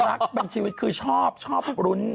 รักเป็นชีวิตคือชอบชอบรุ้น